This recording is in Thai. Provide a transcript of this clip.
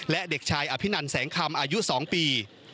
และเด็กชายอภินันแสงคำอายุ๒ปี